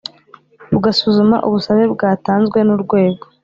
Bugasuzuma ubusabe bwatanzwe n urwego